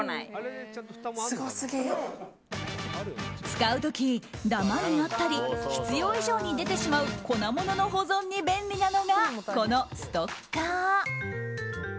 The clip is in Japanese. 使う時、ダマになったり必要以上に出てしまう粉ものの保存に便利なのがこのストッカー。